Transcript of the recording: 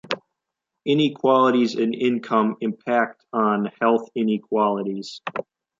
Inequalities in income impact on health inequalities.